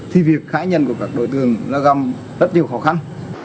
thì việc khái nhân của các đối tượng gặp rất nhiều khó khăn